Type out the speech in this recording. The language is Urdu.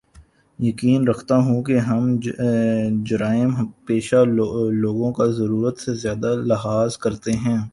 یقین رکھتا ہوں کے ہم جرائم پیشہ لوگوں کا ضرورت سے زیادہ لحاظ کرتے ہیں